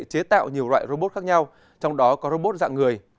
chế tạo nhiều loại robot khác nhau trong đó có robot dạng người